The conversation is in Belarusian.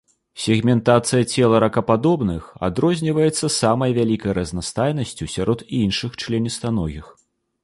Сегментацыя цела ракападобных адрозніваецца самай вялікай разнастайнасцю сярод іншых членістаногіх.